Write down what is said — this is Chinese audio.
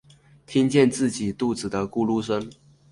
听见自己肚子的咕噜声